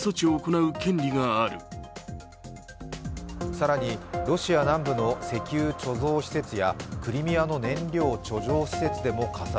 更にロシア南部の石油貯蔵施設やクリミアの燃料貯蔵施設でも火災。